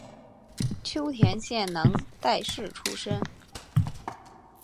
秋田县能代市出身。